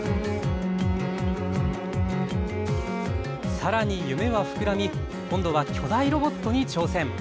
さらに夢は膨らみ今度は巨大ロボットに挑戦。